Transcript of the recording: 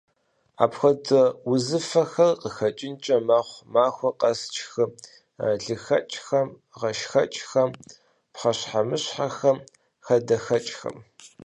Апхуэдэ узыфэхэр къыхэкӀынкӀэ мэхъу махуэ къэс тшхы лыхэкӀхэм, гъэшхэкӀхэм, пхъэщхьэмыщхьэхэм, хадэхэкӀхэм.